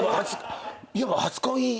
いわば初恋の方。